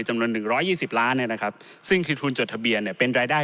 มนุษย์๑๒๐ล้านนะครับซึ่งคือทุนจดทะเบียนเป็นรายได้